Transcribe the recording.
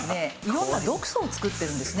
色んな毒素を作ってるんですね。